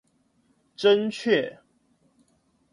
真確